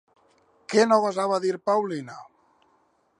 Què no gosava dir a Paulina?